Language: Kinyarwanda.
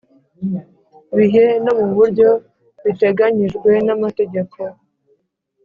Bihe no mu buryo biteganyijwe n’amategeko.